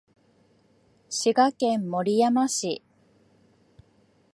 滋賀県守山市